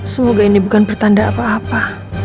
semoga ini bukan pertanda apa apa